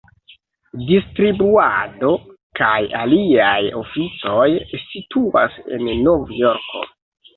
Distribuado kaj aliaj oficoj situas en Novjorko.